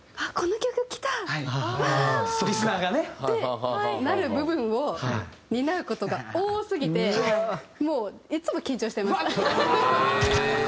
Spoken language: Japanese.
うわー！ってなる部分を担う事が多すぎてもういつも緊張してます。